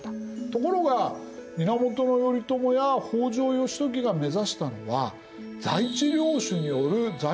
ところが源頼朝や北条義時が目指したのは在地領主による在地領主のための政権。